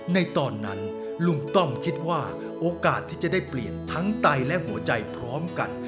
ในตอนนั้นลุงต้อมคิดว่าโอกาสที่จะได้เปลี่ยนทั้งไตและหัวใจพร้อมกัน